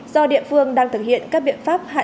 do địa phương đang thực hiện các biện pháp hạn